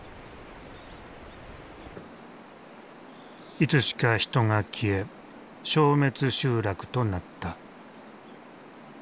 いつしか人が消え消滅集落となった。